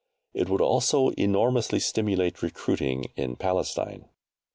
It would also enormously stimulate recruiting in Palestine.